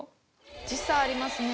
時差ありますね。